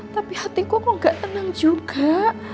tapi hatiku kok gak tenang juga